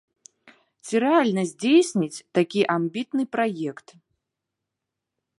Ці рэальна здзейсніць такі амбітны праект?